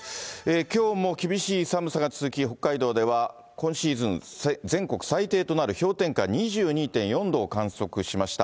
きょうも厳しい寒さが続き、北海道では今シーズン全国最低となる氷点下２２．４度を観測しました。